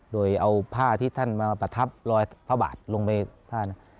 โดยเอาผ้าที่ท่านมาประทับรอยพระบาทลงไปผ้าเนี่ย